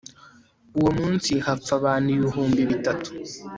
uwo munsi hapfa abantu ibihumbi bitatu